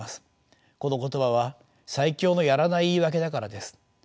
この言葉は最強のやらない言い訳だからです。